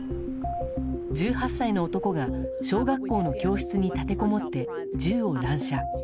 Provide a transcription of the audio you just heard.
１８歳の男が小学校の教室に立てこもって銃を乱射。